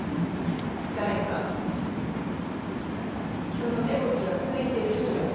その目星はついているという事ですね？